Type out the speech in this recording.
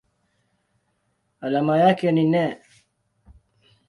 Alama yake ni Ne.